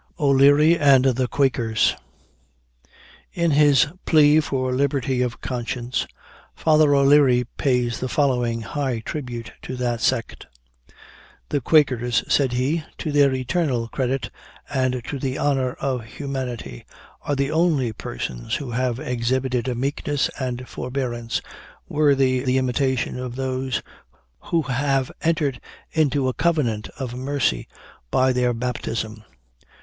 O'LEARY AND THE QUAKERS. In his "Plea for Liberty of Conscience," Father O'Leary pays the following high tribute to that sect: "The Quakers," said he, "to their eternal credit, and to the honor of humanity, are the only persons who have exhibited a meekness and forbearance, worthy the imitation of those who have entered into a covenant of mercy by their baptism.